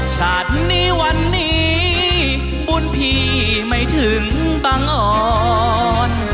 ชาตินี้วันนี้บุญพี่ไม่ถึงบังอ่อน